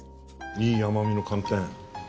いい甘みの寒天。